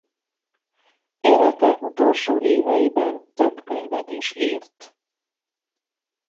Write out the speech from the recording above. Élete utolsó éveiben több könyvet is írt.